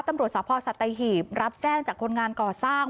ตำรวจสพสัตหีบรับแจ้งจากคนงานก่อสร้าง